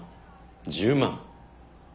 １０万。